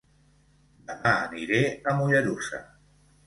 Dema aniré a Mollerussa